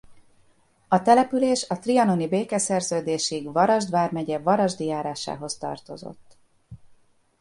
A település a trianoni békeszerződésig Varasd vármegye Varasdi járásához tartozott.